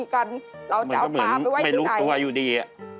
เราจะเอาปลาไปไว้ที่ไหนมันก็เหมือนไม่รู้ตัวอยู่ดี